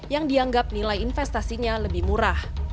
yang dianggap nilai investasinya lebih murah